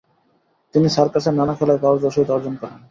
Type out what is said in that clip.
তিনি সার্কাসের নানা খেলায় পারদর্শিতা অর্জন করেন।